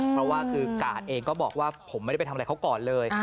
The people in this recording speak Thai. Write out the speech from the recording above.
เพราะว่าคือกาดเองก็บอกว่าผมไม่ได้ไปทำอะไรเขาก่อนเลย